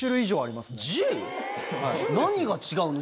１０？何が違うの？